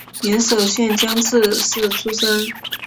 岩手县江刺市出身。